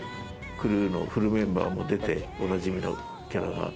フルメンバーも出ておなじみのキャラが。